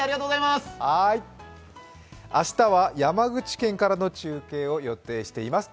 明日は山口県からの中継を予定しています。